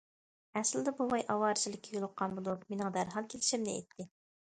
ئەسلىدە بوۋاي ئاۋارىچىلىككە يولۇققان بولۇپ، مېنىڭ دەرھال كېلىشىمنى ئېيتتى.